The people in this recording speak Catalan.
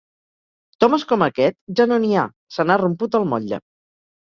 D'homes com aquest, ja no n'hi ha: se n'ha romput el motlle.